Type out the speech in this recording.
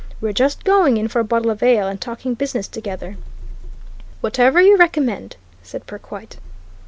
We're just going in for a bottle of ale, and talking business together. "Whatever you recommend," said Perkwite.